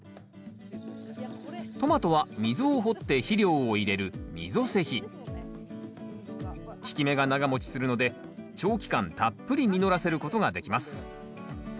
トマトは溝を掘って肥料を入れる効き目が長もちするので長期間たっぷり実らせることができます